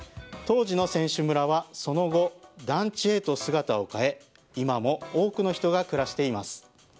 当時の選手村は、その後団地へと姿を変え今も多くの人が暮らしています。